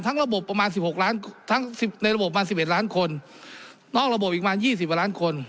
ในระบบประมาณ๑๑ล้านคนนอกระบบอีกประมาณ๒๐ล้านคน